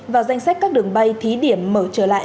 vào danh sách các đường bay thí điểm mở trở lại